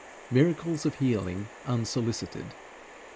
MIRACLES OF HEALING UNSOLICITED.